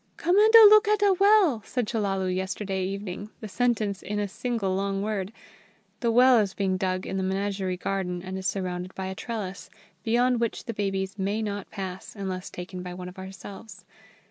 "Come anda look ata well!" said Chellalu yesterday evening, the sentence in a single long word. The well is being dug in the Menagerie garden and is surrounded by a trellis, beyond which the babies may not pass, unless taken by one of ourselves.